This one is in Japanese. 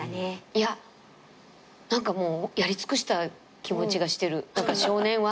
いや何かもうやり尽くした気持ちがしてる少年は。